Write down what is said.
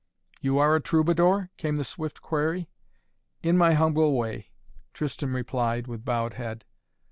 "You are a Troubadour?" came the swift query. "In my humble way." Tristan replied with bowed head.